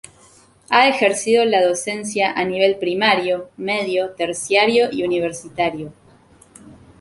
Ha ejercido la docencia a nivel primario, medio, terciario y universitario.